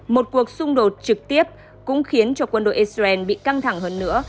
một cuộc xung đột trực tiếp cũng khiến cho quân đội israel bị căng thẳng hơn nữa